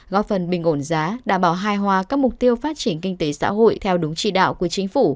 góp phần bình ổn giá đảm bảo hai hòa các mục tiêu phát triển kinh tế xã hội theo đúng trị đạo của chính phủ